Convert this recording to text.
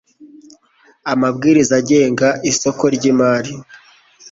Amabwiriza agenga Isoko ry Imari